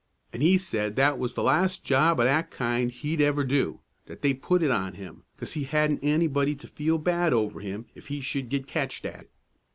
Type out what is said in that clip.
An' he said that was the last job o' that kind he'd ever do; that they put it on him 'cause he hadn't anybody to feel bad over him if he should get catched at it.